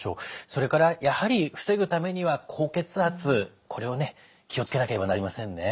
それからやはり防ぐためには高血圧これをね気を付けなければなりませんね。